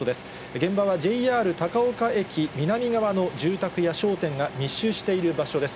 現場はＪＲ高岡駅南側の住宅や商店が密集している場所です。